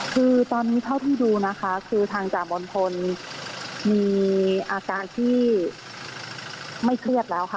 คือตอนนี้เท่าที่ดูนะคะคือทางจ่ามนพลมีอาการที่ไม่เครียดแล้วค่ะ